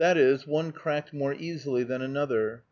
_, one cracked more easily than another.